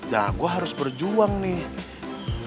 dah gue harus berjuang nih